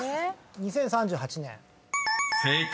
「２０３８年」［正解。